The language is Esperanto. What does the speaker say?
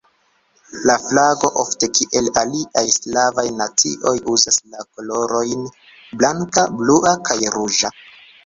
La flago, ofte kiel aliaj slavaj nacioj, uzas la kolorojn blanka, blua kaj ruĝa.